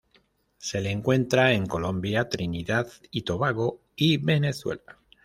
Se la encuentra en Colombia, Trinidad y Tobago, y Venezuela.